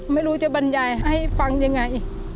ไม่รู้จะบรรยายให้ฟังยังไง